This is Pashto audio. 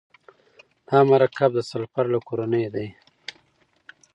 دا مرکب د سلفر له کورنۍ دی.